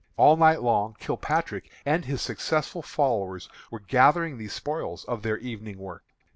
All night long Kilpatrick and his successful followers were gathering the spoils of their evening work.